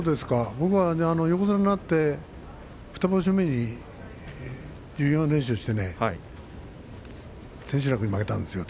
僕は横綱になって２場所目に１４連勝して千秋楽に負けたんですよね